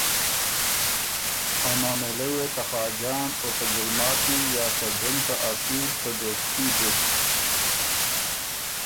ا معامېلۀ يې ته خاجان او ته ګلماتی یا ته ډُم ته اصیل ته دوستي بُک۔